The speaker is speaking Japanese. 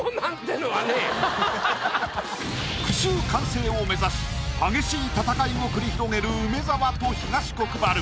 句集完成を目指し激しい戦いを繰り広げる梅沢と東国原。